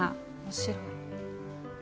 面白い。